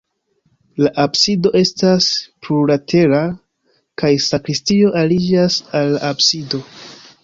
La absido estas plurlatera kaj sakristio aliĝas al la absido.